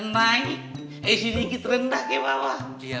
nah ini ini sedikit rendah ya pak